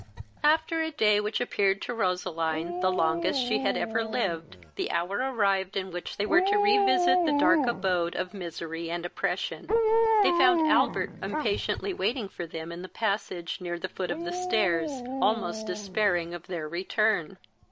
After a day which appeared to Roseline the longest she had ever lived, the hour arrived in which they were to revisit the dark abode of misery and oppression. They found Albert impatiently waiting for them in the passage, near the foot of the stairs, almost despairing of their return.